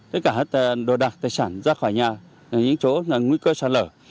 tất cả đồ đạc tài sản ra khỏi nhà những chỗ là nguy cơ sạt lở